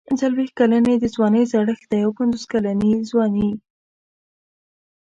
څلوېښت کلني د ځوانۍ زړښت دی او پنځوس کلني ځواني.